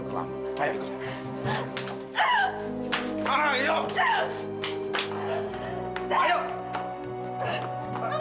semoga udah terlambat